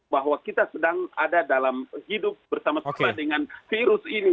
bahwa kita sedang ada dalam hidup bersama sama dengan virus ini